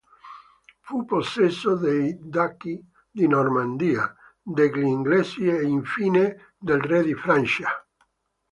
Fu possesso dei duchi di Normandia, degli inglesi e infine del re di Francia.